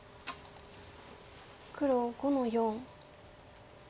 黒５の四。